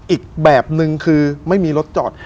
อีกแบบนึงคือไม่มีรถจอด